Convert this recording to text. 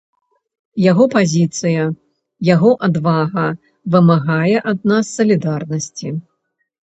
Яго пазіцыя, яго адвага вымагае ад нас салідарнасці.